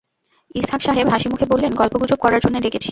ইসহাক সাহেব হাসিমুখে বললেন, গল্পগুজব করার জন্যে ডেকেছি।